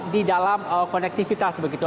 di dalam konektivitas begitu